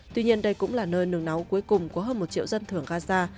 tuy nhiên đây cũng là nơi nướng náu cuối cùng của hơn một triệu dân thưởng gaza